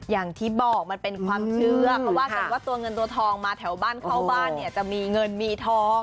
อย่างที่บอกมันเป็นความเชื่อเขาว่ากันว่าตัวเงินตัวทองมาแถวบ้านเข้าบ้านเนี่ยจะมีเงินมีทอง